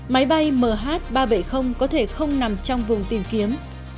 máy bay mh ba trăm bảy mươi có thể không nằm trong vùng tìm kiếm